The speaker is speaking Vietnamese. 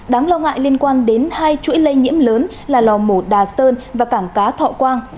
đáng lo ngại liên quan đến hai chuỗi lây nhiễm lớn là lò mổ đà sơn và cảng cá thọ quang